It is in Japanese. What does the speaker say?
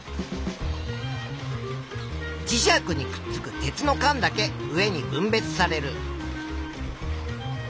磁石にくっつく鉄の缶だけ上に分別される。